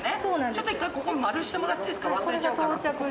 ちょっと一回ここ丸してもらっていいですか忘れちゃうから。